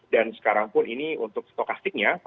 dan sekarang pun ini untuk stokastiknya